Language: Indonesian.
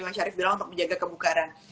bang syarif bilang untuk menjaga kebukaran